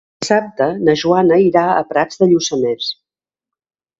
Dissabte na Joana irà a Prats de Lluçanès.